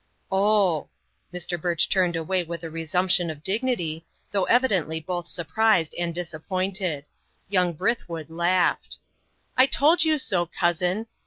"Oh!" Mr. March turned away with a resumption of dignity, though evidently both surprised and disappointed. Young Brithwood laughed. "I told you so, cousin.